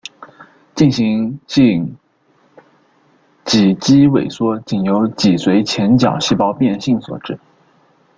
进行性脊肌萎缩仅由脊髓前角细胞变性所致。